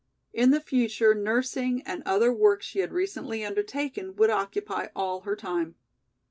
In the future nursing and other work she had recently undertaken would occupy all her time.